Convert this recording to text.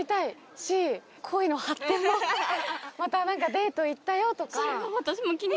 「デート行ったよ」とか。